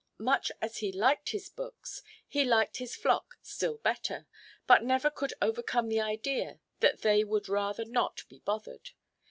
Much as he liked his books, he liked his flock still better, but never could overcome the idea that they would rather not be bothered.